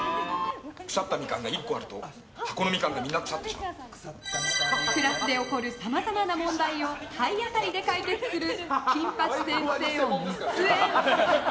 腐ったミカンが１個あると箱のミカンがクラスで起こるさまざまな問題を体当たりで解決する金八先生を熱演。